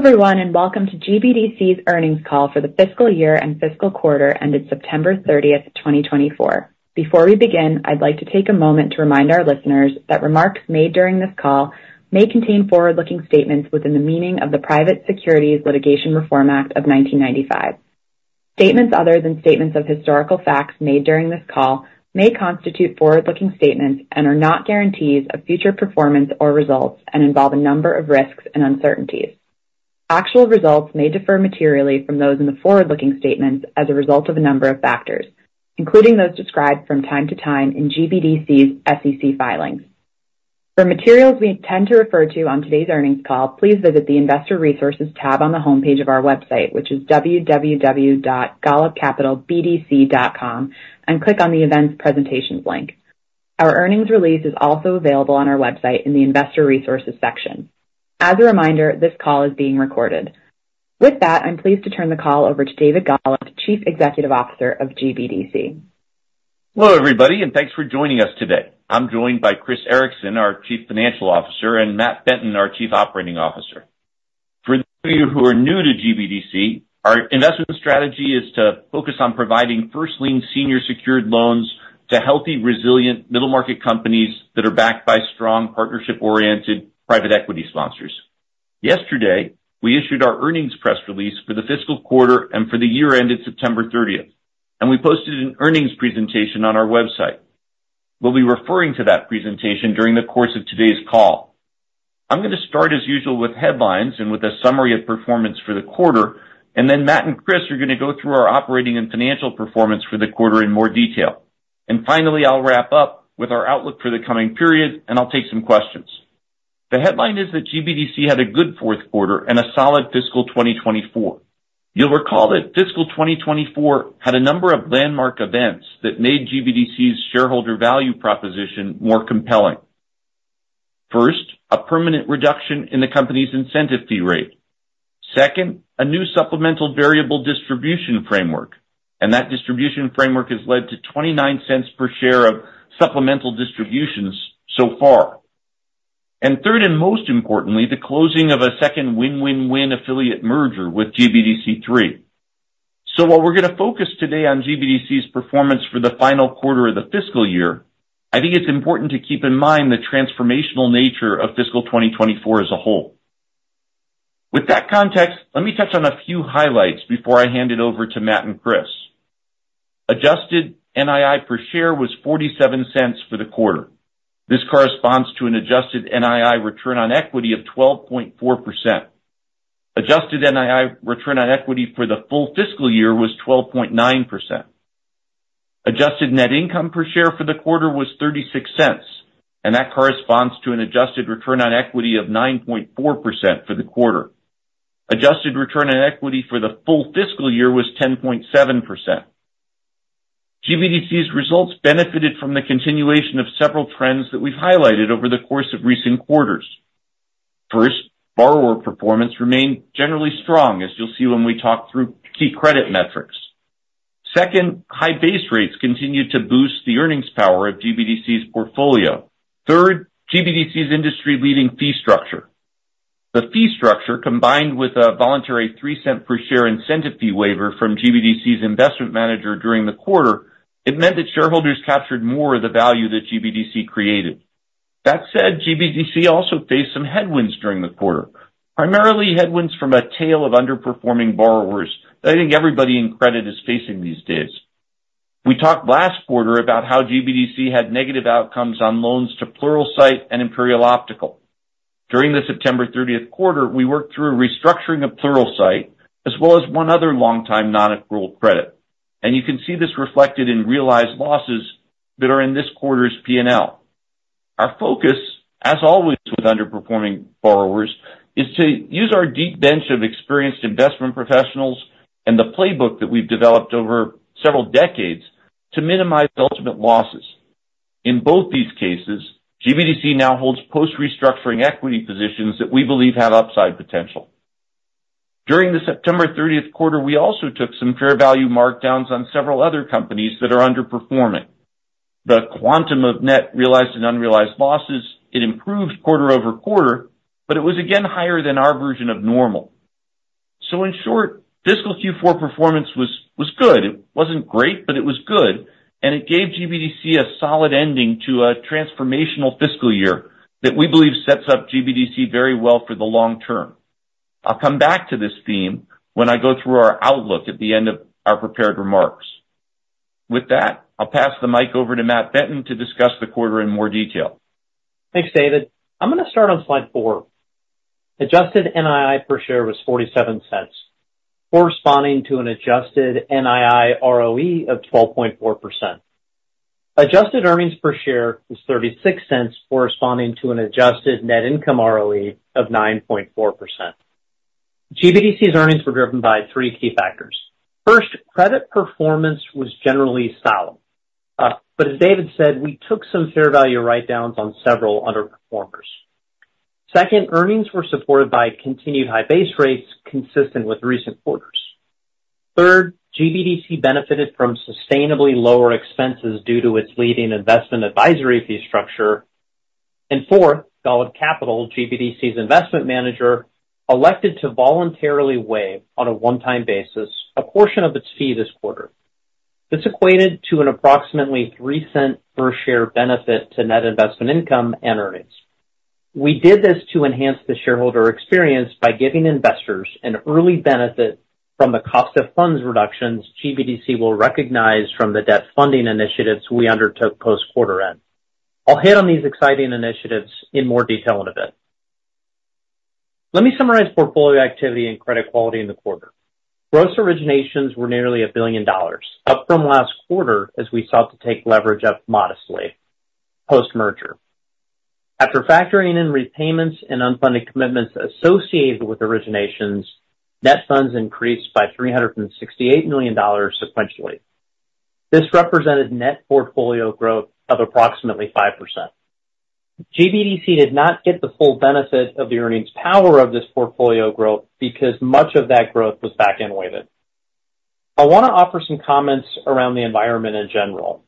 Hello everyone and welcome to GBDC's earnings call for the fiscal year and fiscal quarter ended September 30, 2024. Before we begin, I'd like to take a moment to remind our listeners that remarks made during this call may contain forward-looking statements within the meaning of the Private Securities Litigation Reform Act of 1995. Statements other than statements of historical facts made during this call may constitute forward-looking statements and are not guarantees of future performance or results and involve a number of risks and uncertainties. Actual results may differ materially from those in the forward-looking statements as a result of a number of factors, including those described from time to time in GBDC's SEC filings. For materials we intend to refer to on today's earnings call, please visit the Investor Resources tab on the homepage of our website, which is www.golubcapitalbdc.com, and click on the Events Presentations link. Our earnings release is also available on our website in the Investor Resources section. As a reminder, this call is being recorded. With that, I'm pleased to turn the call over to David Golub, Chief Executive Officer of GBDC. Hello everybody and thanks for joining us today. I'm joined by Chris Ericson, our Chief Financial Officer, and Matt Benton, our Chief Operating Officer. For those of you who are new to GBDC, our investment strategy is to focus on providing first lien senior secured loans to healthy, resilient middle-market companies that are backed by strong, partnership-oriented private equity sponsors. Yesterday, we issued our earnings press release for the fiscal quarter and for the year ended September 30, and we posted an earnings presentation on our website. We'll be referring to that presentation during the course of today's call. I'm going to start as usual with headlines and with a summary of performance for the quarter, and then Matt and Chris are going to go through our operating and financial performance for the quarter in more detail. Finally, I'll wrap up with our outlook for the coming period, and I'll take some questions. The headline is that GBDC had a good fourth quarter and a solid fiscal 2024. You'll recall that fiscal 2024 had a number of landmark events that made GBDC's shareholder value proposition more compelling. First, a permanent reduction in the company's incentive fee rate. Second, a new supplemental variable distribution framework, and that distribution framework has led to $0.29 per share of supplemental distributions so far. And third, and most importantly, the closing of a second win-win-win affiliate merger with GBDC 3. While we're going to focus today on GBDC's performance for the final quarter of the fiscal year, I think it's important to keep in mind the transformational nature of fiscal 2024 as a whole. With that context, let me touch on a few highlights before I hand it over to Matt and Chris. Adjusted NII per share was $0.47 for the quarter. This corresponds to an adjusted NII return on equity of 12.4%. Adjusted NII return on equity for the full fiscal year was 12.9%. Adjusted net income per share for the quarter was $0.36, and that corresponds to an adjusted return on equity of 9.4% for the quarter. Adjusted return on equity for the full fiscal year was 10.7%. GBDC's results benefited from the continuation of several trends that we've highlighted over the course of recent quarters. First, borrower performance remained generally strong, as you'll see when we talk through key credit metrics. Second, high base rates continued to boost the earnings power of GBDC's portfolio. Third, GBDC's industry-leading fee structure. The fee structure, combined with a voluntary $0.03 per share incentive fee waiver from GBDC's investment manager during the quarter, meant that shareholders captured more of the value that GBDC created. That said, GBDC also faced some headwinds during the quarter, primarily headwinds from a tail of underperforming borrowers that I think everybody in credit is facing these days. We talked last quarter about how GBDC had negative outcomes on loans to Pluralsight and Imperial Optical. During the September 30 quarter, we worked through restructuring of Pluralsight, as well as one other long-time non-accrual credit, and you can see this reflected in realized losses that are in this quarter's P&L. Our focus, as always with underperforming borrowers, is to use our deep bench of experienced investment professionals and the playbook that we've developed over several decades to minimize ultimate losses. In both these cases, GBDC now holds post-restructuring equity positions that we believe have upside potential. During the September 30 quarter, we also took some fair value markdowns on several other companies that are underperforming. The quantum of net realized and unrealized losses, it improved quarter over quarter, but it was again higher than our version of normal. So in short, fiscal Q4 performance was good. It wasn't great, but it was good, and it gave GBDC a solid ending to a transformational fiscal year that we believe sets up GBDC very well for the long term. I'll come back to this theme when I go through our outlook at the end of our prepared remarks. With that, I'll pass the mic over to Matt Benton to discuss the quarter in more detail. Thanks, David. I'm going to start on slide four. Adjusted NII per share was $0.47, corresponding to an adjusted NII ROE of 12.4%. Adjusted earnings per share was $0.36, corresponding to an adjusted net income ROE of 9.4%. GBDC's earnings were driven by three key factors. First, credit performance was generally solid. But as David said, we took some fair value write-downs on several underperformers. Second, earnings were supported by continued high base rates consistent with recent quarters. Third, GBDC benefited from sustainably lower expenses due to its leading investment advisory fee structure. And fourth, Golub Capital, GBDC's investment manager, elected to voluntarily waive on a one-time basis a portion of its fee this quarter. This equated to an approximately $0.03 per share benefit to net investment income and earnings. We did this to enhance the shareholder experience by giving investors an early benefit from the cost of funds reductions, GBDC will recognize from the debt funding initiatives we undertook post-quarter end. I'll hit on these exciting initiatives in more detail in a bit. Let me summarize portfolio activity and credit quality in the quarter. Gross originations were nearly $1 billion, up from last quarter as we sought to take leverage up modestly post-merger. After factoring in repayments and unfunded commitments associated with originations, net funds increased by $368 million sequentially. This represented net portfolio growth of approximately 5%. GBDC did not get the full benefit of the earnings power of this portfolio growth because much of that growth was back-end weighted. I want to offer some comments around the environment in general.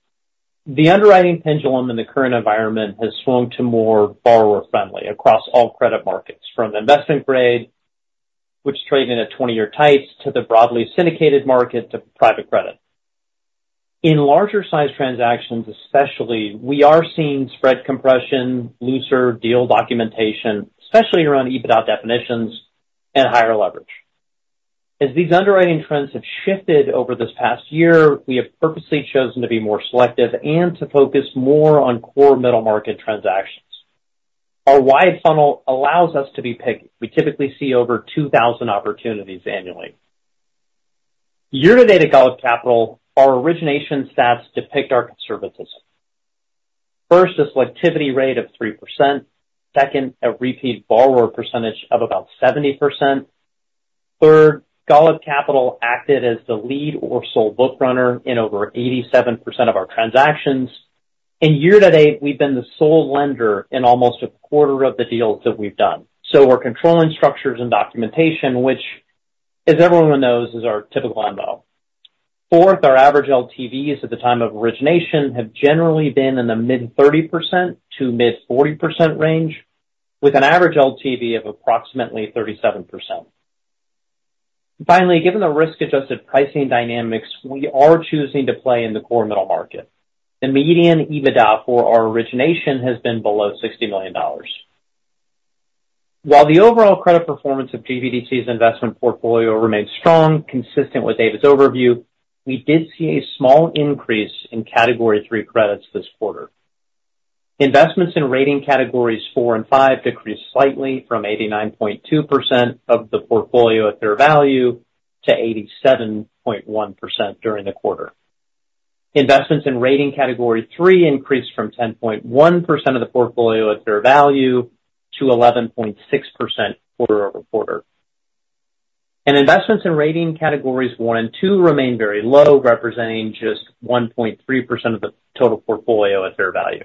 The underwriting pendulum in the current environment has swung to more borrower-friendly across all credit markets, from investment grade, which traded at 20-year tights, to the broadly syndicated market, to private credit. In larger-sized transactions, especially, we are seeing spread compression, looser deal documentation, especially around EBITDA definitions and higher leverage. As these underwriting trends have shifted over this past year, we have purposely chosen to be more selective and to focus more on core middle-market transactions. Our wide funnel allows us to be picky. We typically see over 2,000 opportunities annually. Year-to-date at Golub Capital, our origination stats depict our conservatism. First, a selectivity rate of 3%. Second, a repeat borrower percentage of about 70%. Third, Golub Capital acted as the lead or sole book runner in over 87% of our transactions. And year-to-date, we've been the sole lender in almost a quarter of the deals that we've done. So we're controlling structures and documentation, which, as everyone knows, is our typical MO. Fourth, our average LTVs at the time of origination have generally been in the mid-30% to mid-40% range, with an average LTV of approximately 37%. Finally, given the risk-adjusted pricing dynamics, we are choosing to play in the core middle market. The median EBITDA for our origination has been below $60 million. While the overall credit performance of GBDC's investment portfolio remained strong, consistent with David's overview, we did see a small increase in category three credits this quarter. Investments in Rating Categories four and five decreased slightly from 89.2% of the portfolio at fair value to 87.1% during the quarter. Investments in Rating Category three increased from 10.1% of the portfolio at fair value to 11.6% quarter over quarter. Investments in Rating Categories one and two remain very low, representing just 1.3% of the total portfolio at fair value.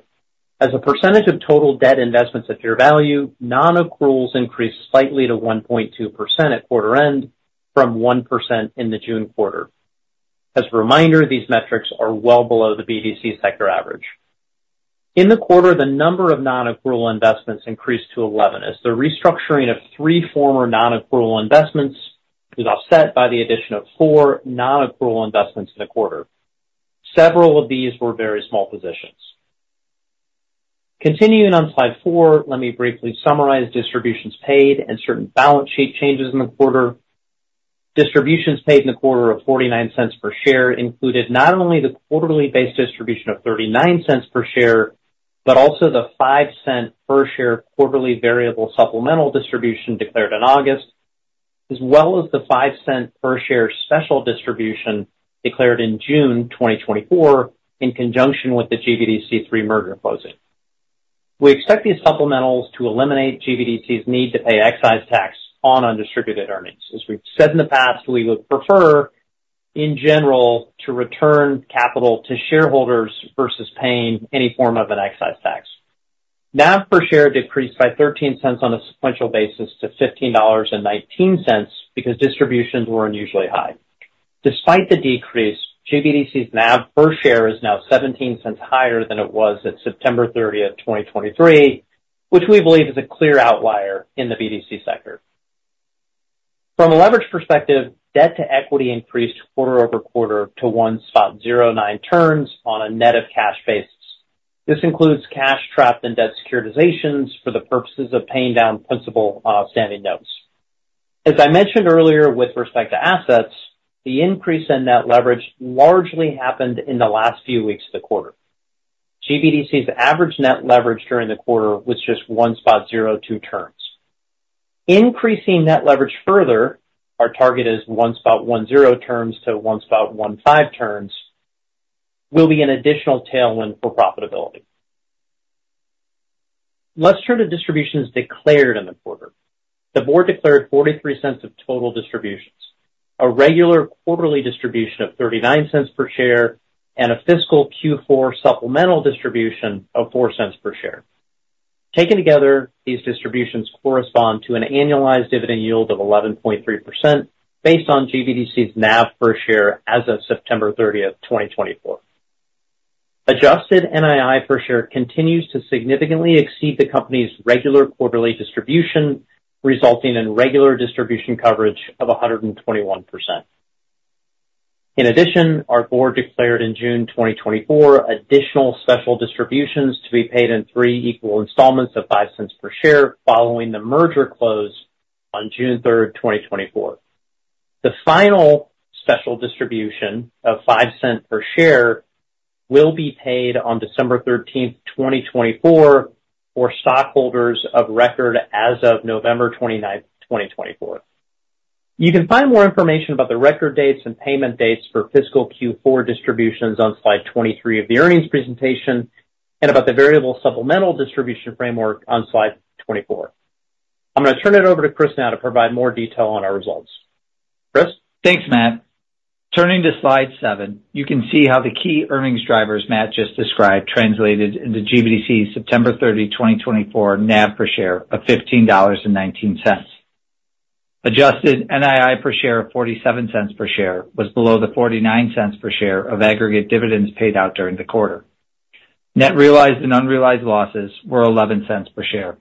As a percentage of total debt investments at fair value, non-accruals increased slightly to 1.2% at quarter end from 1% in the June quarter. As a reminder, these metrics are well below the BDC sector average. In the quarter, the number of non-accrual investments increased to 11 as the restructuring of three former non-accrual investments was offset by the addition of four non-accrual investments in the quarter. Several of these were very small positions. Continuing on slide four, let me briefly summarize distributions paid and certain balance sheet changes in the quarter. Distributions paid in the quarter of $0.49 per share included not only the quarterly-based distribution of $0.39 per share, but also the $0.05 per share quarterly variable supplemental distribution declared in August, as well as the $0.05 per share special distribution declared in June 2024 in conjunction with the GBDC3 merger closing. We expect these supplementals to eliminate GBDC's need to pay excise tax on undistributed earnings. As we've said in the past, we would prefer, in general, to return capital to shareholders versus paying any form of an excise tax. NAV per share decreased by $0.13 on a sequential basis to $15.19 because distributions were unusually high. Despite the decrease, GBDC's NAV per share is now $0.17 higher than it was at September 30, 2023, which we believe is a clear outlier in the BDC sector. From a leverage perspective, debt to equity increased quarter over quarter to 1.09 turns on a net of cash basis. This includes cash trapped in debt securitizations for the purposes of paying down principal on outstanding notes. As I mentioned earlier, with respect to assets, the increase in net leverage largely happened in the last few weeks of the quarter. GBDC's average net leverage during the quarter was just 1.02 turns. Increasing net leverage further, our target is 1.10 turns to 1.15 turns, will be an additional tailwind for profitability. Let's turn to distributions declared in the quarter. The board declared $0.43 of total distributions, a regular quarterly distribution of $0.39 per share, and a fiscal Q4 supplemental distribution of $0.04 per share. Taken together, these distributions correspond to an annualized dividend yield of 11.3% based on GBDC's NAV per share as of September 30, 2024. Adjusted NII per share continues to significantly exceed the company's regular quarterly distribution, resulting in regular distribution coverage of 121%. In addition, our board declared in June 2024 additional special distributions to be paid in three equal installments of $0.05 per share following the merger close on June 3, 2024. The final special distribution of $0.05 per share will be paid on December 13, 2024, for stockholders of record as of November 29, 2024. You can find more information about the record dates and payment dates for fiscal Q4 distributions on slide 23 of the earnings presentation and about the variable supplemental distribution framework on slide 24. I'm going to turn it over to Chris now to provide more detail on our results. Chris? Thanks, Matt. Turning to slide seven, you can see how the key earnings drivers Matt just described translated into GBDC's September 30, 2024 NAV per share of $15.19. Adjusted NII per share of $0.47 per share was below the $0.49 per share of aggregate dividends paid out during the quarter. Net realized and unrealized losses were $0.11 per share.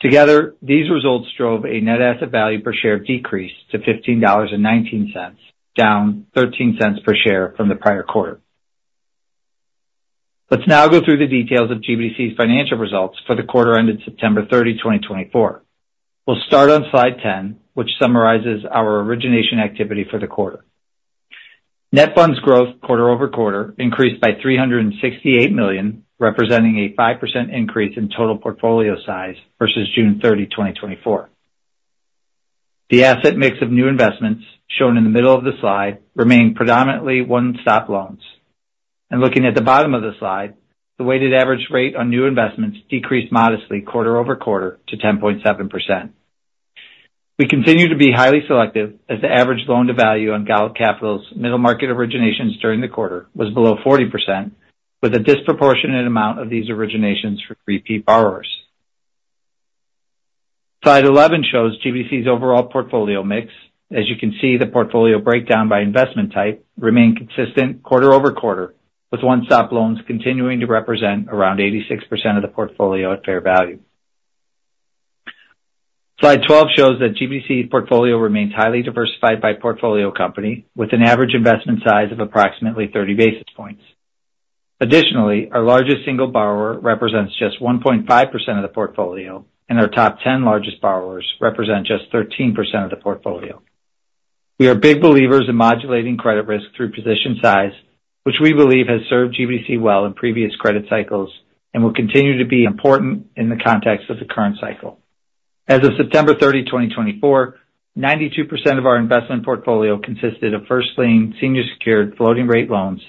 Together, these results drove a net asset value per share decrease to $15.19, down $0.13 per share from the prior quarter. Let's now go through the details of GBDC's financial results for the quarter ended September 30, 2024. We'll start on slide 10, which summarizes our origination activity for the quarter. Net funds growth quarter over quarter increased by $368 million, representing a 5% increase in total portfolio size versus June 30, 2024. The asset mix of new investments shown in the middle of the slide remained predominantly One-Stop loans. Looking at the bottom of the slide, the weighted average rate on new investments decreased modestly quarter over quarter to 10.7%. We continue to be highly selective as the average loan-to-value on Golub Capital's middle-market originations during the quarter was below 40%, with a disproportionate amount of these originations for repeat borrowers. Slide 11 shows GBDC's overall portfolio mix. As you can see, the portfolio breakdown by investment type remained consistent quarter over quarter, with One-Stop loans continuing to represent around 86% of the portfolio at fair value. Slide 12 shows that GBDC portfolio remains highly diversified by portfolio company, with an average investment size of approximately 30 basis points. Additionally, our largest single borrower represents just 1.5% of the portfolio, and our top 10 largest borrowers represent just 13% of the portfolio. We are big believers in modulating credit risk through position size, which we believe has served GBDC well in previous credit cycles and will continue to be important in the context of the current cycle. As of September 30, 2024, 92% of our investment portfolio consisted of first-lien senior-secured floating-rate loans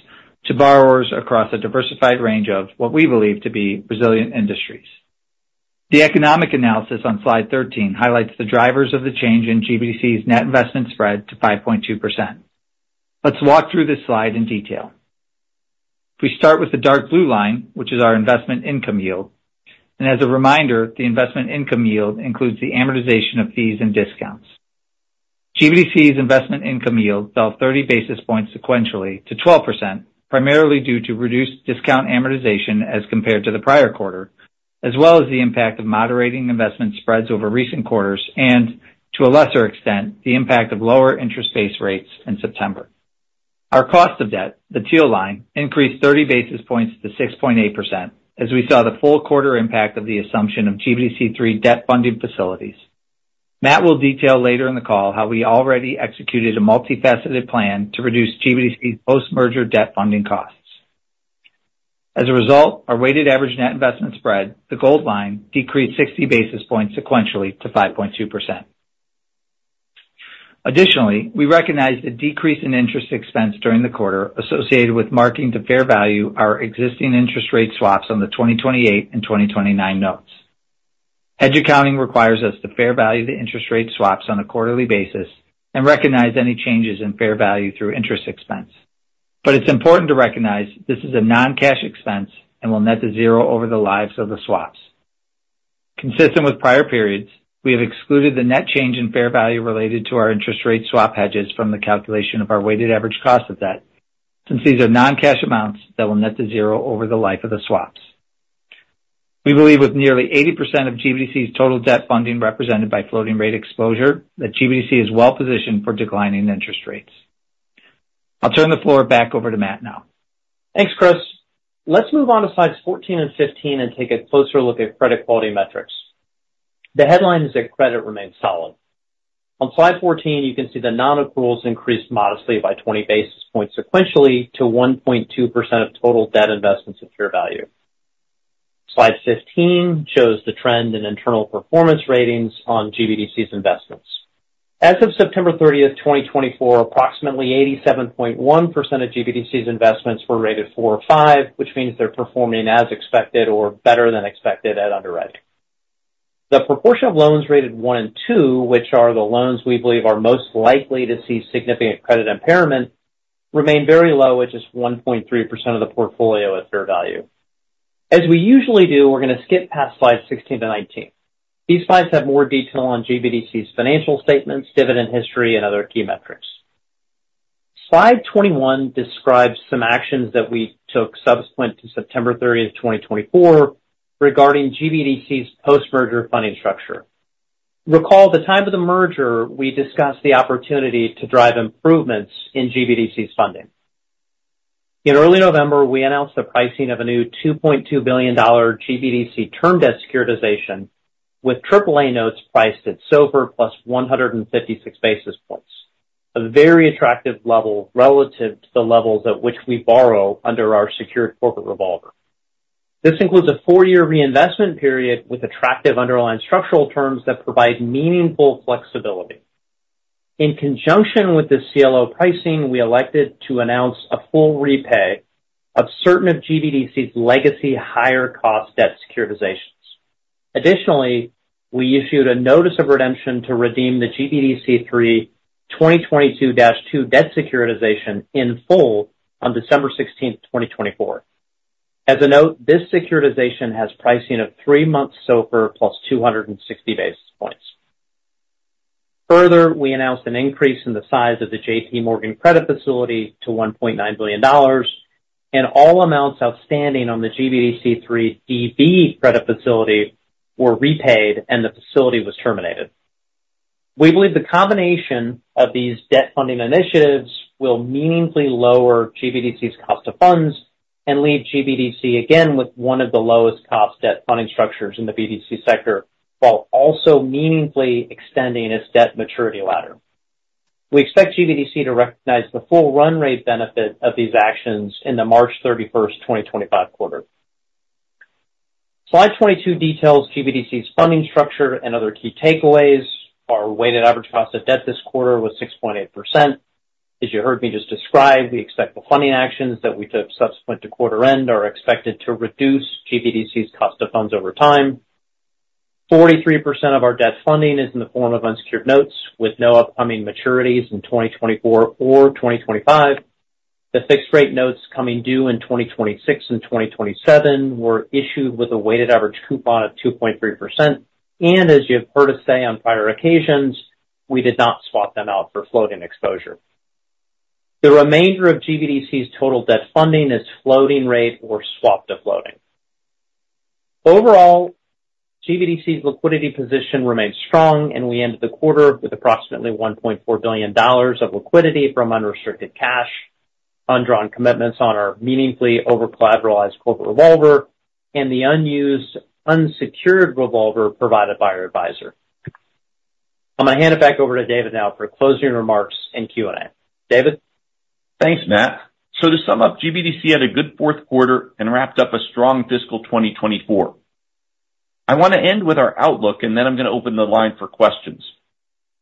to borrowers across a diversified range of what we believe to be resilient industries. The economic analysis on slide 13 highlights the drivers of the change in GBDC's net investment spread to 5.2%. Let's walk through this slide in detail. We start with the dark blue line, which is our investment income yield, and as a reminder, the investment income yield includes the amortization of fees and discounts. GBDC's investment income yield fell 30 basis points sequentially to 12%, primarily due to reduced discount amortization as compared to the prior quarter, as well as the impact of moderating investment spreads over recent quarters and, to a lesser extent, the impact of lower interest base rates in September. Our cost of debt, the teal line, increased 30 basis points to 6.8%, as we saw the full quarter impact of the assumption of GBDC 3 debt funding facilities. Matt will detail later in the call how we already executed a multifaceted plan to reduce GBDC's post-merger debt funding costs. As a result, our weighted average net investment spread, the gold line, decreased 60 basis points sequentially to 5.2%. Additionally, we recognize the decrease in interest expense during the quarter associated with marking to fair value our existing interest rate swaps on the 2028 and 2029 notes. Hedge accounting requires us to fair value the interest rate swaps on a quarterly basis and recognize any changes in fair value through interest expense. But it's important to recognize this is a non-cash expense and will net to zero over the lives of the swaps. Consistent with prior periods, we have excluded the net change in fair value related to our interest rate swap hedges from the calculation of our weighted average cost of debt, since these are non-cash amounts that will net to zero over the life of the swaps. We believe with nearly 80% of GBDC's total debt funding represented by floating-rate exposure, that GBDC is well positioned for declining interest rates. I'll turn the floor back over to Matt now. Thanks, Chris. Let's move on to slides 14 and 15 and take a closer look at credit quality metrics. The headline is that credit remains solid. On slide 14, you can see the non-accruals increased modestly by 20 basis points sequentially to 1.2% of total debt investments at fair value. Slide 15 shows the trend in internal performance ratings on GBDC's investments. As of September 30, 2024, approximately 87.1% of GBDC's investments were rated 4 or 5, which means they're performing as expected or better than expected at underwriting. The proportion of loans rated 1 and 2, which are the loans we believe are most likely to see significant credit impairment, remain very low at just 1.3% of the portfolio at fair value. As we usually do, we're going to skip past slides 16 to 19. These slides have more detail on GBDC's financial statements, dividend history, and other key metrics. Slide 21 describes some actions that we took subsequent to September 30, 2024, regarding GBDC's post-merger funding structure. Recall the time of the merger, we discussed the opportunity to drive improvements in GBDC's funding. In early November, we announced the pricing of a new $2.2 billion GBDC term debt securitization, with AAA notes priced at SOFR plus 156 basis points, a very attractive level relative to the levels at which we borrow under our secured corporate revolver. This includes a four-year reinvestment period with attractive underlying structural terms that provide meaningful flexibility. In conjunction with the CLO pricing, we elected to announce a full repay of certain of GBDC's legacy higher-cost debt securitizations. Additionally, we issued a notice of redemption to redeem the GBDC 3 2022-2 debt securitization in full on December 16, 2024. As a note, this securitization has pricing of three months SOFR plus 260 basis points. Further, we announced an increase in the size of the J.P. Morgan Credit Facility to $1.9 billion, and all amounts outstanding on the GBDC3 DB Credit Facility were repaid, and the facility was terminated. We believe the combination of these debt funding initiatives will meaningfully lower GBDC's cost of funds and leave GBDC again with one of the lowest cost debt funding structures in the BDC sector, while also meaningfully extending its debt maturity ladder. We expect GBDC to recognize the full run rate benefit of these actions in the March 31, 2025 quarter. Slide 22 details GBDC's funding structure and other key takeaways. Our weighted average cost of debt this quarter was 6.8%. As you heard me just describe, we expect the funding actions that we took subsequent to quarter end are expected to reduce GBDC's cost of funds over time. 43% of our debt funding is in the form of unsecured notes with no upcoming maturities in 2024 or 2025. The fixed-rate notes coming due in 2026 and 2027 were issued with a weighted average coupon of 2.3%. And as you've heard us say on prior occasions, we did not swap them out for floating exposure. The remainder of GBDC's total debt funding is floating rate or swap to floating. Overall, GBDC's liquidity position remains strong, and we ended the quarter with approximately $1.4 billion of liquidity from unrestricted cash, undrawn commitments on our meaningfully over-collateralized corporate revolver, and the unused unsecured revolver provided by our advisor. I'm going to hand it back over to David now for closing remarks and Q&A. David? Thanks, Matt, so to sum up, GBDC had a good fourth quarter and wrapped up a strong fiscal 2024. I want to end with our outlook, and then I'm going to open the line for questions.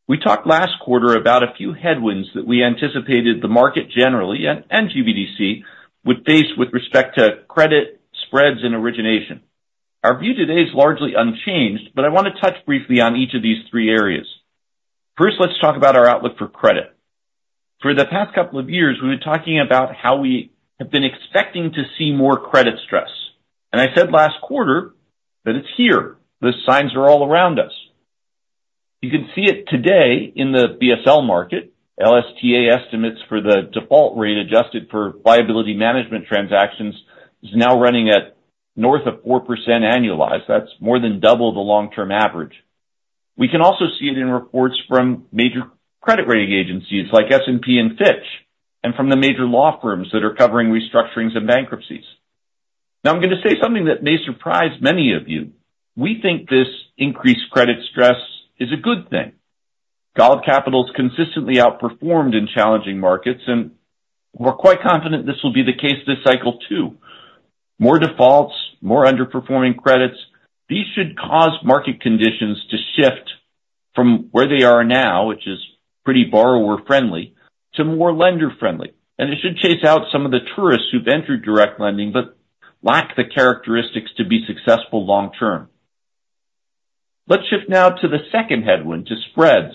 We talked last quarter about a few headwinds that we anticipated the market generally and GBDC would face with respect to credit spreads and origination. Our view today is largely unchanged, but I want to touch briefly on each of these three areas. First, let's talk about our outlook for credit. For the past couple of years, we've been talking about how we have been expecting to see more credit stress, and I said last quarter that it's here. The signs are all around us. You can see it today in the BSL market. LSTA estimates for the default rate adjusted for liability management transactions is now running at north of 4% annualized. That's more than double the long-term average. We can also see it in reports from major credit rating agencies like S&P and Fitch, and from the major law firms that are covering restructurings and bankruptcies. Now, I'm going to say something that may surprise many of you. We think this increased credit stress is a good thing. Golub Capital's consistently outperformed in challenging markets, and we're quite confident this will be the case this cycle too. More defaults, more underperforming credits, these should cause market conditions to shift from where they are now, which is pretty borrower-friendly, to more lender-friendly, and it should chase out some of the tourists who've entered direct lending but lack the characteristics to be successful long-term. Let's shift now to the second headwind, to spreads.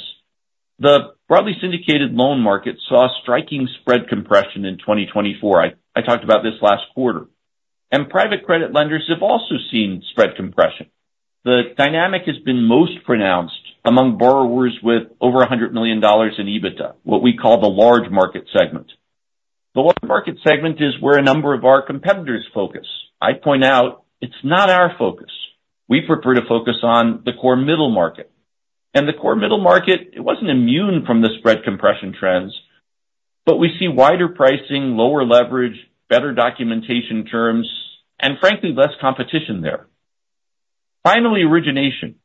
The broadly syndicated loan market saw a striking spread compression in 2024. I talked about this last quarter. And private credit lenders have also seen spread compression. The dynamic has been most pronounced among borrowers with over $100 million in EBITDA, what we call the large market segment. The large market segment is where a number of our competitors focus. I point out it's not our focus. We prefer to focus on the core middle market. And the core middle market, it wasn't immune from the spread compression trends, but we see wider pricing, lower leverage, better documentation terms, and frankly, less competition there. Finally, origination.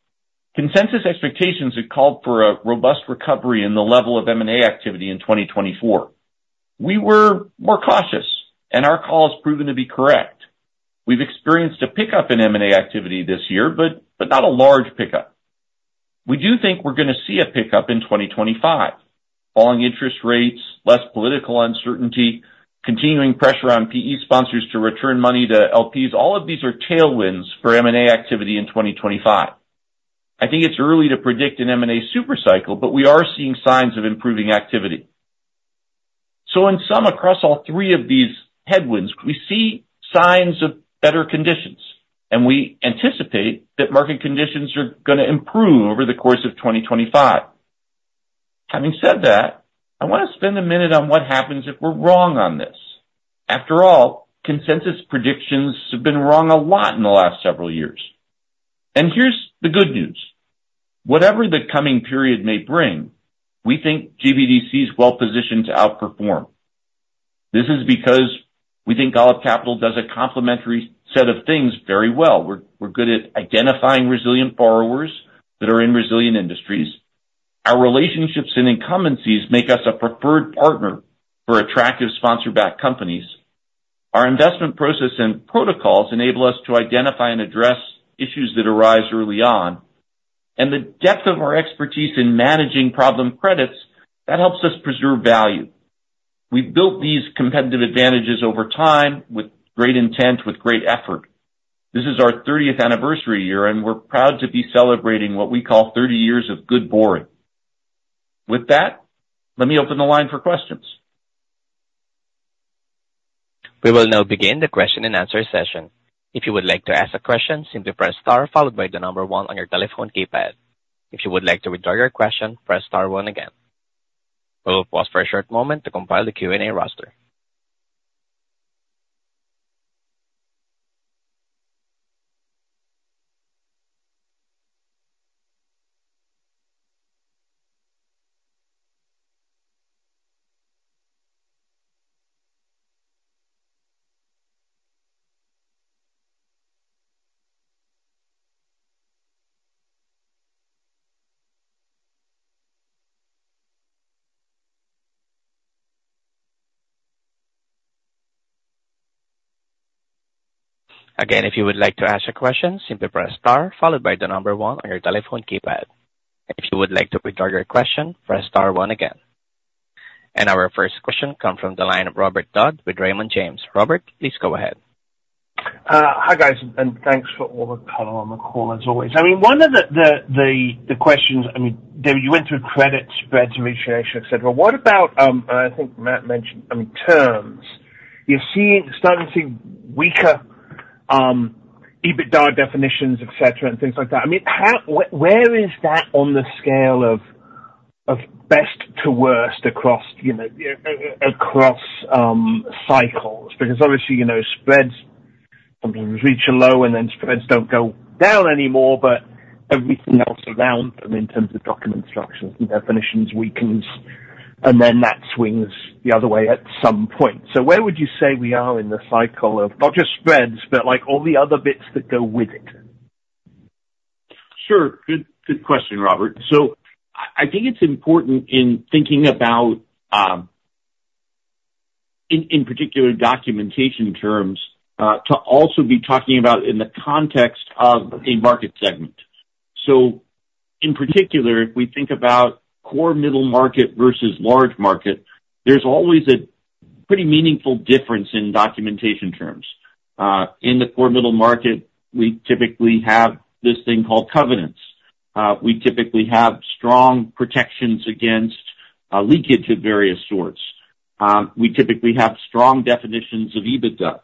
Consensus expectations had called for a robust recovery in the level of M&A activity in 2024. We were more cautious, and our call has proven to be correct. We've experienced a pickup in M&A activity this year, but not a large pickup. We do think we're going to see a pickup in 2025. Falling interest rates, less political uncertainty, continuing pressure on PE sponsors to return money to LPs, all of these are tailwinds for M&A activity in 2025. I think it's early to predict an M&A supercycle, but we are seeing signs of improving activity. So in sum, across all three of these headwinds, we see signs of better conditions, and we anticipate that market conditions are going to improve over the course of 2025. Having said that, I want to spend a minute on what happens if we're wrong on this. After all, consensus predictions have been wrong a lot in the last several years. And here's the good news. Whatever the coming period may bring, we think GBDC is well positioned to outperform. This is because we think Golub Capital does a complementary set of things very well. We're good at identifying resilient borrowers that are in resilient industries. Our relationships and incumbencies make us a preferred partner for attractive sponsor-backed companies. Our investment process and protocols enable us to identify and address issues that arise early on, and the depth of our expertise in managing problem credits, that helps us preserve value. We've built these competitive advantages over time with great intent, with great effort. This is our 30th anniversary year, and we're proud to be celebrating what we call 30 years of good boring. With that, let me open the line for questions. We will now begin the question and answer session. If you would like to ask a question, simply press star followed by the number one on your telephone keypad. If you would like to withdraw your question, press star one again. We will pause for a short moment to compile the Q&A roster. Again, if you would like to ask a question, simply press star followed by the number one on your telephone keypad. If you would like to withdraw your question, press star one again. And our first question comes from the line of Robert Dodd with Raymond James. Robert, please go ahead. Hi, guys, and thanks for all the color on the call, as always. I mean, one of the questions, I mean, David, you went through credit spreads and mutation, etc. What about, and I think Matt mentioned, I mean, terms? You're starting to see weaker EBITDA definitions, etc., and things like that. I mean, where is that on the scale of best to worst across cycles? Because obviously, spreads sometimes reach a low and then spreads don't go down anymore, but everything else around them in terms of document structures and definitions, weakens, and then that swings the other way at some point. So where would you say we are in the cycle of not just spreads, but all the other bits that go with it? Sure. Good question, Robert. I think it's important in thinking about, in particular, documentation terms, to also be talking about in the context of a market segment. In particular, if we think about core middle market versus large market, there's always a pretty meaningful difference in documentation terms. In the core middle market, we typically have this thing called covenants. We typically have strong protections against leakage of various sorts. We typically have strong definitions of EBITDA.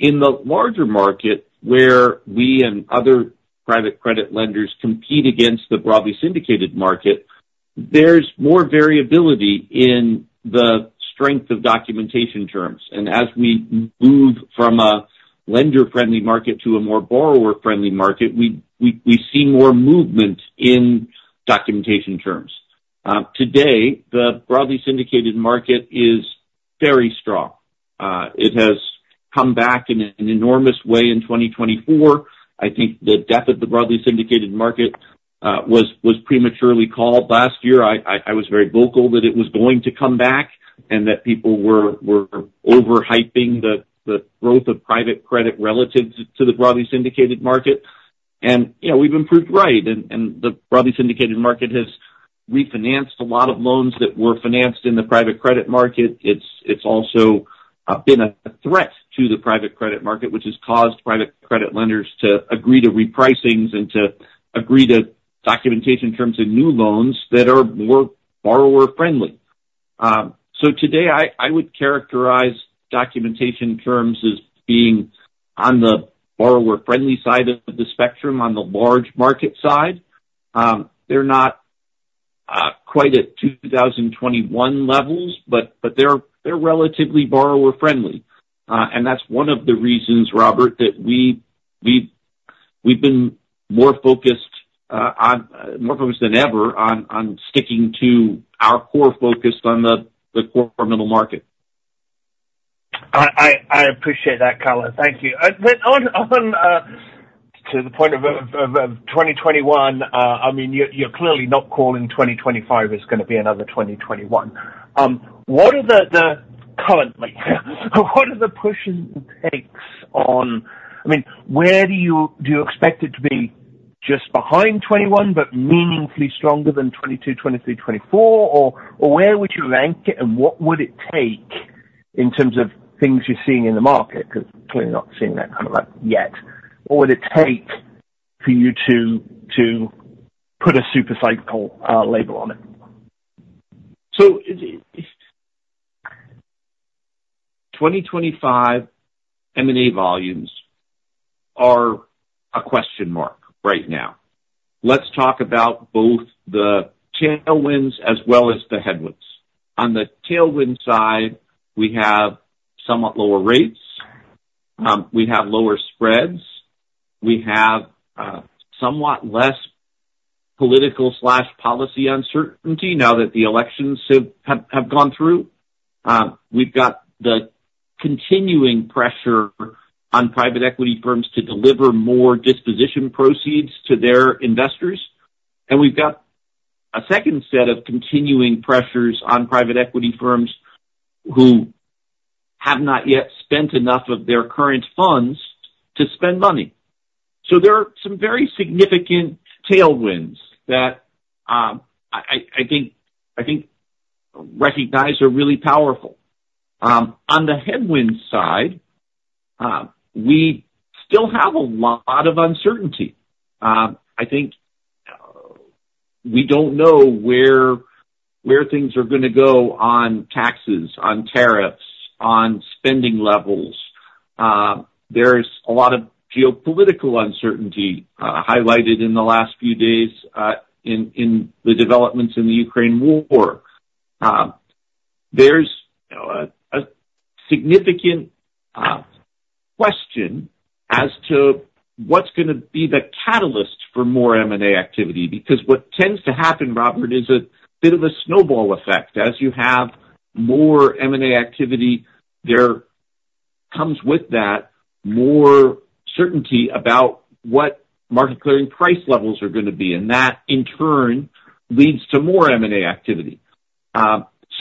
In the larger market, where we and other private credit lenders compete against the broadly syndicated market, there's more variability in the strength of documentation terms. As we move from a lender-friendly market to a more borrower-friendly market, we see more movement in documentation terms. Today, the broadly syndicated market is very strong. It has come back in an enormous way in 2024. I think the death of the broadly syndicated market was prematurely called. Last year, I was very vocal that it was going to come back and that people were overhyping the growth of private credit relative to the broadly syndicated market. And we've improved, right? And the broadly syndicated market has refinanced a lot of loans that were financed in the private credit market. It's also been a threat to the private credit market, which has caused private credit lenders to agree to repricings and to agree to documentation terms in new loans that are more borrower-friendly. So today, I would characterize documentation terms as being on the borrower-friendly side of the spectrum, on the large market side. They're not quite at 2021 levels, but they're relatively borrower-friendly. That's one of the reasons, Robert, that we've been more focused than ever on sticking to our core focus on the core middle market. I appreciate that, Colin. Thank you. To the point of 2021, I mean, you're clearly not calling 2025 is going to be another 2021. What are the currents? What are the pushes it takes on, I mean, where do you expect it to be just behind 2021, but meaningfully stronger than 2022, 2023, 2024? Or where would you rank it, and what would it take in terms of things you're seeing in the market? Because we're clearly not seeing that kind of yet. What would it take for you to put a supercycle label on it? 2025 M&A volumes are a question mark right now. Let's talk about both the tailwinds as well as the headwinds. On the tailwind side, we have somewhat lower rates. We have lower spreads. We have somewhat less political/policy uncertainty now that the elections have gone through. We've got the continuing pressure on private equity firms to deliver more disposition proceeds to their investors. And we've got a second set of continuing pressures on private equity firms who have not yet spent enough of their current funds to spend money. So there are some very significant tailwinds that I think recognize are really powerful. On the headwind side, we still have a lot of uncertainty. I think we don't know where things are going to go on taxes, on tariffs, on spending levels. There's a lot of geopolitical uncertainty highlighted in the last few days in the developments in the Ukraine war. There's a significant question as to what's going to be the catalyst for more M&A activity. Because what tends to happen, Robert, is a bit of a snowball effect. As you have more M&A activity, there comes with that more certainty about what market clearing price levels are going to be. And that, in turn, leads to more M&A activity.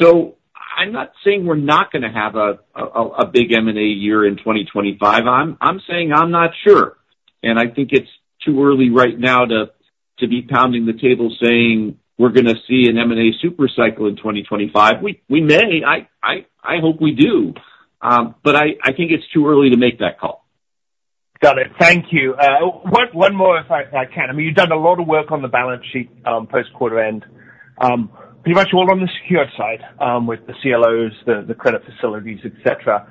So I'm not saying we're not going to have a big M&A year in 2025. I'm saying I'm not sure. And I think it's too early right now to be pounding the table saying we're going to see an M&A supercycle in 2025. We may. I hope we do. But I think it's too early to make that call. Got it. Thank you. One more if I can. I mean, you've done a lot of work on the balance sheet post-quarter-end. Pretty much all on the secured side with the CLOs, the credit facilities, etc.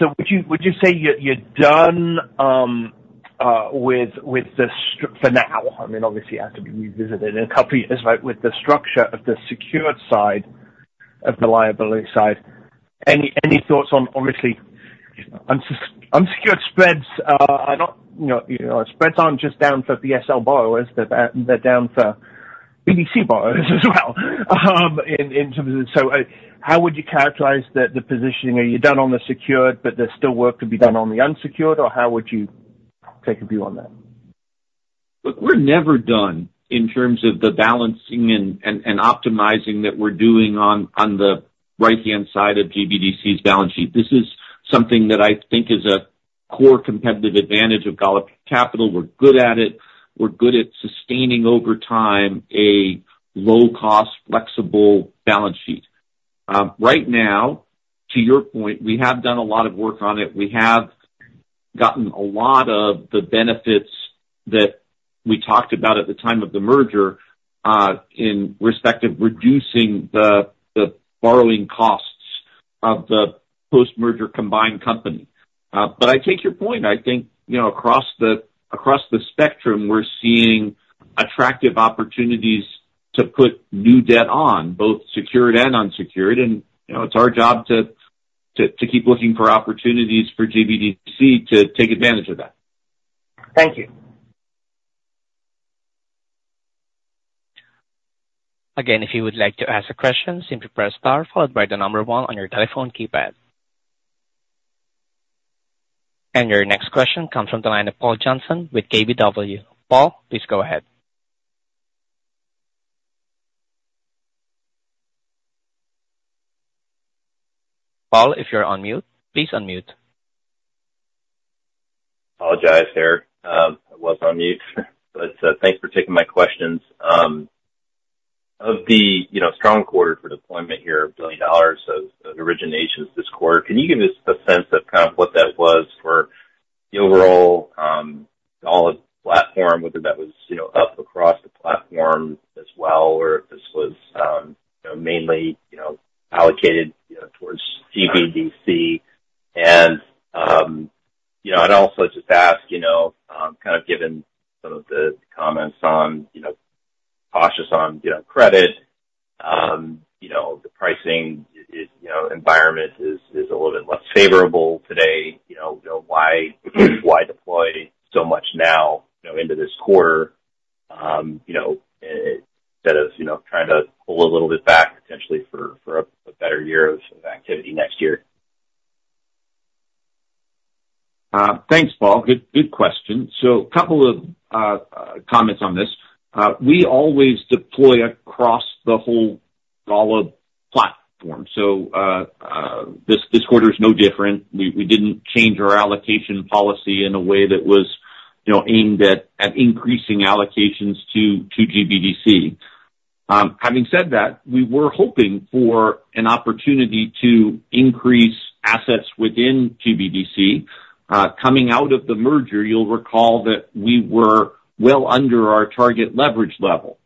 So would you say you're done with this for now? I mean, obviously, it has to be revisited in a couple of years, right? With the structure of the secured side of the liability side, any thoughts on, obviously, unsecured spreads? Spreads aren't just down for BSL borrowers. They're down for BDC borrowers as well in terms of this. So how would you characterize the positioning? Are you done on the secured, but there's still work to be done on the unsecured? Or how would you take a view on that? Look, we're never done in terms of the balancing and optimizing that we're doing on the right-hand side of GBDC's balance sheet. This is something that I think is a core competitive advantage of Golub Capital. We're good at it. We're good at sustaining over time a low-cost, flexible balance sheet. Right now, to your point, we have done a lot of work on it. We have gotten a lot of the benefits that we talked about at the time of the merger in respect of reducing the borrowing costs of the post-merger combined company. But I take your point. I think across the spectrum, we're seeing attractive opportunities to put new debt on, both secured and unsecured. And it's our job to keep looking for opportunities for GBDC to take advantage of that. Thank you. Again, if you would like to ask a question, simply press star followed by the number one on your telephone keypad. And your next question comes from the line of Paul Johnson with KBW. Paul, please go ahead. Paul, if you're on mute, please unmute. Apologies there. I was on mute. But thanks for taking my questions. Of the strong quarter for deployment here, $1 billion of originations this quarter, can you give us a sense of kind of what that was for the overall Golub platform, whether that was up across the platform as well, or if this was mainly allocated towards GBDC? And I'd also just ask, kind of given some of the comments on cautious on credit, the pricing environment is a little bit less favorable today. Why deploy so much now into this quarter instead of trying to pull a little bit back potentially for a better year of activity next year? Thanks, Paul. Good question. So a couple of comments on this. We always deploy across the whole Golub platform. So this quarter is no different. We didn't change our allocation policy in a way that was aimed at increasing allocations to GBDC. Having said that, we were hoping for an opportunity to increase assets within GBDC. Coming out of the merger, you'll recall that we were well under our target leverage level.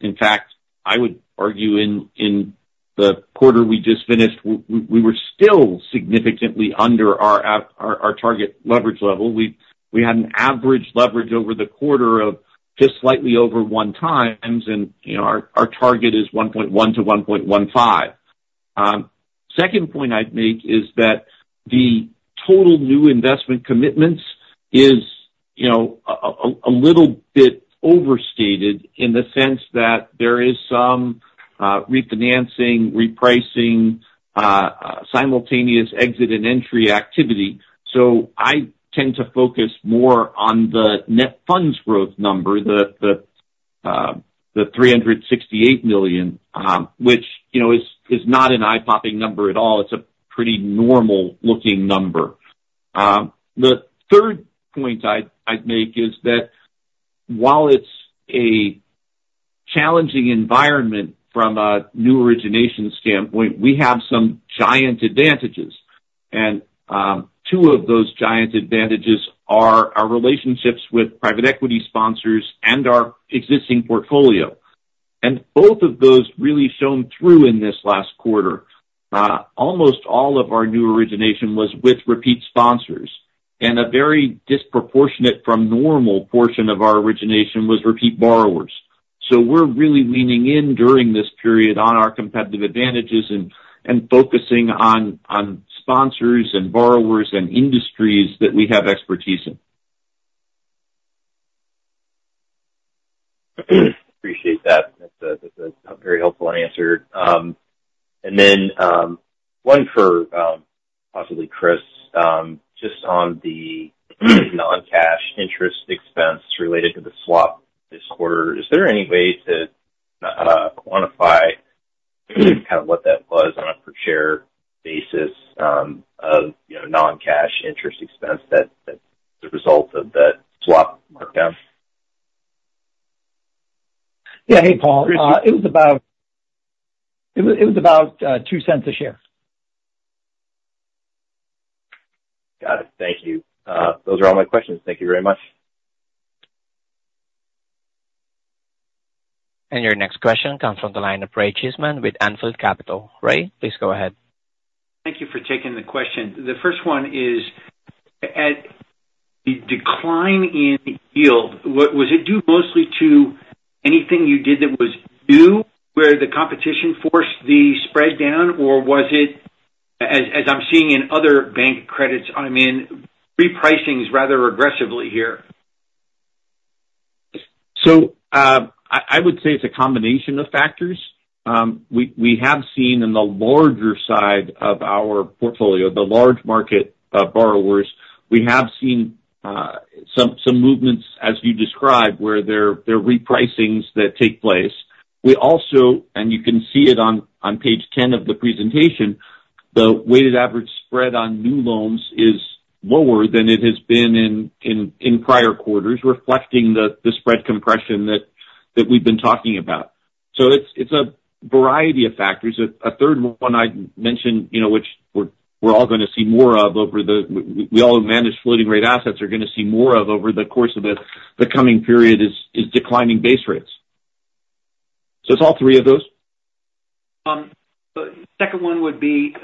In fact, I would argue in the quarter we just finished, we were still significantly under our target leverage level. We had an average leverage over the quarter of just slightly over one times, and our target is 1.1-1.15. Second point I'd make is that the total new investment commitments is a little bit overstated in the sense that there is some refinancing, repricing, simultaneous exit and entry activity. I tend to focus more on the net funds growth number, the $368 million, which is not an eye-popping number at all. It's a pretty normal-looking number. The third point I'd make is that while it's a challenging environment from a new origination standpoint, we have some giant advantages. And two of those giant advantages are our relationships with private equity sponsors and our existing portfolio. And both of those really shone through in this last quarter. Almost all of our new origination was with repeat sponsors. And a very disproportionate from normal portion of our origination was repeat borrowers. So we're really leaning in during this period on our competitive advantages and focusing on sponsors and borrowers and industries that we have expertise in. Appreciate that. That's a very helpful answer. And then one for possibly Chris, just on the non-cash interest expense related to the swap this quarter, is there any way to quantify kind of what that was on a per-share basis of non-cash interest expense that's the result of that swap markdown? Yeah. Hey, Paul. It was about $0.02 a share. Got it. Thank you. Those are all my questions. Thank you very much. Your next question comes from the line of Ray Cheesman with Anfield Capital. Ray, please go ahead. Thank you for taking the question. The first one is, at the decline in yield, was it due mostly to anything you did that was new where the competition forced the spread down? Or was it, as I'm seeing in other bank credits, I mean, repricing is rather aggressively here? So I would say it's a combination of factors. We have seen in the larger side of our portfolio, the large market borrowers, we have seen some movements, as you described, where there are repricings that take place. We also, and you can see it on page 10 of the presentation, the weighted average spread on new loans is lower than it has been in prior quarters, reflecting the spread compression that we've been talking about. So it's a variety of factors. A third one I'd mention, which we're all going to see more of over the course of the coming period is declining base rates. So it's all three of those. The second one would be,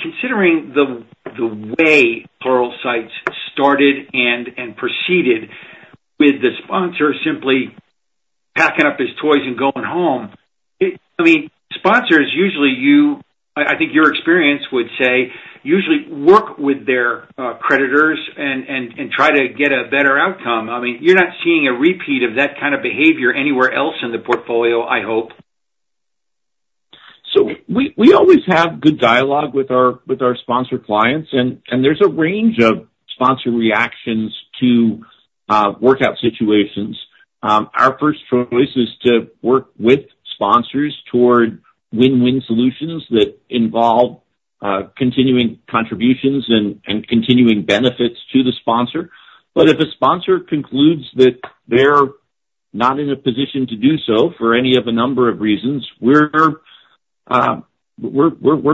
considering the way Pluralsight started and proceeded with the sponsor simply packing up his toys and going home, I mean, sponsors usually, I think your experience would say, usually work with their creditors and try to get a better outcome. I mean, you're not seeing a repeat of that kind of behavior anywhere else in the portfolio, I hope. So we always have good dialogue with our sponsor clients. And there's a range of sponsor reactions to workout situations. Our first choice is to work with sponsors toward win-win solutions that involve continuing contributions and continuing benefits to the sponsor. But if a sponsor concludes that they're not in a position to do so for any of a number of reasons, we're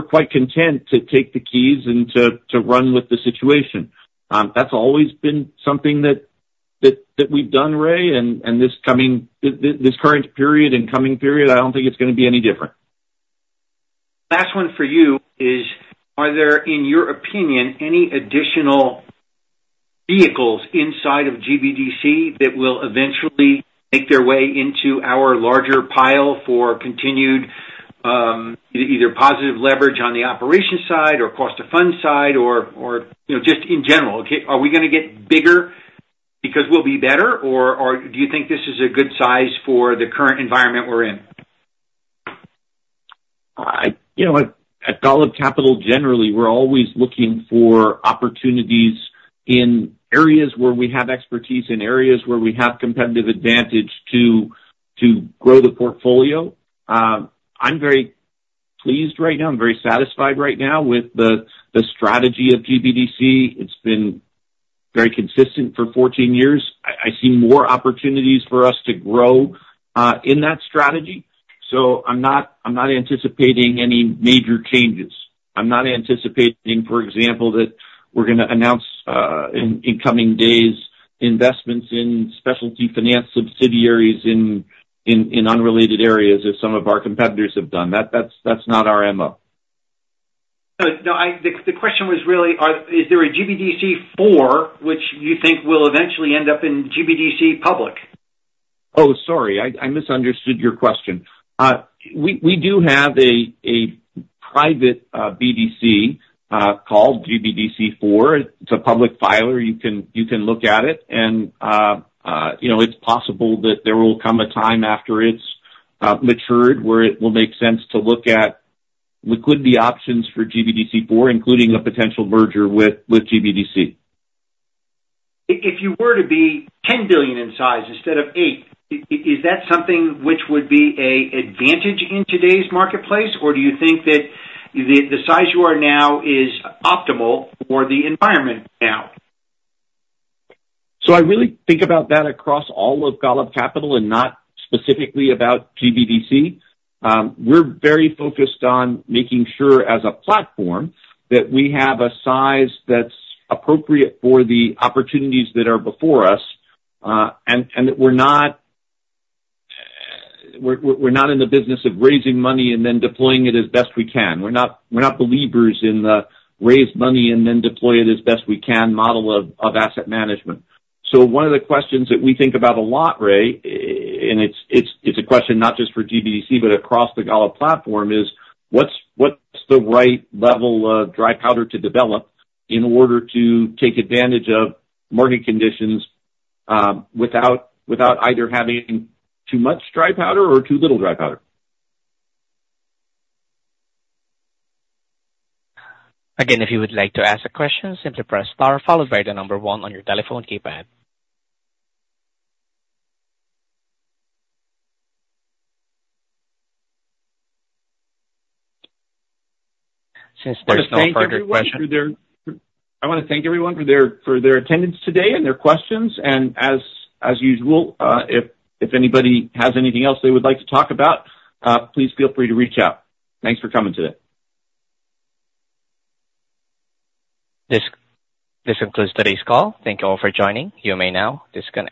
quite content to take the keys and to run with the situation. That's always been something that we've done, Ray. And this current period and coming period, I don't think it's going to be any different. Last one for you is, are there, in your opinion, any additional vehicles inside of GBDC that will eventually make their way into our larger pile for continued either positive leverage on the operation side or cost-to-fund side or just in general? Are we going to get bigger because we'll be better? Or do you think this is a good size for the current environment we're in? At Golub Capital, generally, we're always looking for opportunities in areas where we have expertise, in areas where we have competitive advantage to grow the portfolio. I'm very pleased right now. I'm very satisfied right now with the strategy of GBDC. It's been very consistent for 14 years. I see more opportunities for us to grow in that strategy. So I'm not anticipating any major changes. I'm not anticipating, for example, that we're going to announce in coming days investments in specialty finance subsidiaries in unrelated areas as some of our competitors have done. That's not our MO. No, the question was really, is there a GBDC 4, which you think will eventually end up in GBDC Public? Oh, sorry. I misunderstood your question. We do have a private BDC called GBDC 4. It's a public filer. You can look at it. And it's possible that there will come a time after it's matured where it will make sense to look at liquidity options for GBDC 4, including a potential merger with GBDC. If you were to be $10 billion in size instead of $8 billion, is that something which would be an advantage in today's marketplace? Or do you think that the size you are now is optimal for the environment now? So I really think about that across all of Golub Capital and not specifically about GBDC. We're very focused on making sure as a platform that we have a size that's appropriate for the opportunities that are before us and that we're not in the business of raising money and then deploying it as best we can. We're not believers in the raise money and then deploy it as best we can model of asset management. So one of the questions that we think about a lot, Ray, and it's a question not just for GBDC but across the Golub platform, is what's the right level of dry powder to develop in order to take advantage of market conditions without either having too much dry powder or too little dry powder? Again, if you would like to ask a question, simply press star followed by the number one on your telephone keypad. Since there's no further question. I want to thank everyone for their attendance today and their questions. And as usual, if anybody has anything else they would like to talk about, please feel free to reach out. Thanks for coming today. This concludes today's call. Thank you all for joining. You may now disconnect.